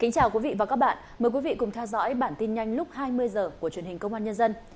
chào mừng quý vị đến với bản tin nhanh lúc hai mươi h của truyền hình công an nhân dân